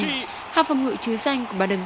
hạ phong ngựa chứa danh của bà đồng